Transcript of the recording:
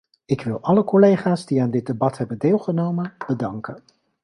Ik wil alle collega's die aan dit debat hebben deelgenomen bedanken.